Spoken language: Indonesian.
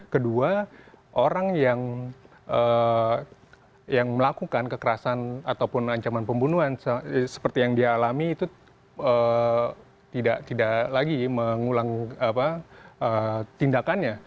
kedua orang yang melakukan kekerasan ataupun ancaman pembunuhan seperti yang dia alami itu tidak lagi mengulang tindakannya